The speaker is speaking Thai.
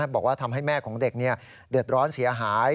บอกว่าทำให้แม่ของเด็กเดือดร้อนเสียหาย